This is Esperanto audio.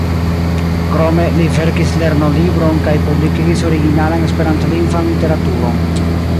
Krome, li verkis lernolibron kaj publikigis originalan esperantlingvan literaturon.